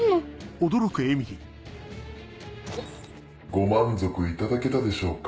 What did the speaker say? ご満足いただけたでしょうか？